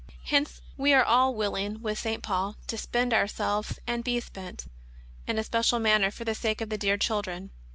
Hence we are all willing with St. Paul ^^ to spend ourselves, and be spent" in a special manner for the sake of the dear children.